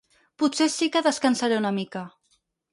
Potser sí que descansaré una mica.